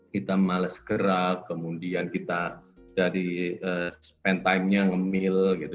kita malas gerak kemudian kita dari spend timenya ngemil gitu